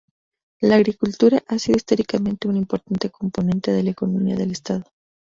La agricultura ha sido históricamente un importante componente de la economía del estado.